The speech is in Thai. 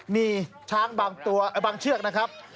นี่ช้างบางเชือกนะครับ